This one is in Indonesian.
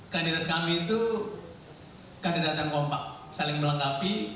kandidat kami itu kandidatan kompak saling melengkapi